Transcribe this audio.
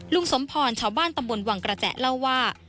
สมพรชาวบ้านตำบลวังกระแจเล่าว่า